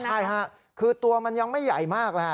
ใช่ครับคือตัวมันยังไม่ใหญ่มาก